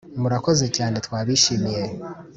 murakoze cyane twabishimiye